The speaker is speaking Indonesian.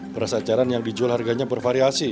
beras eceran yang dijual harganya bervariasi